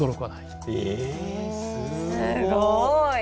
すごい！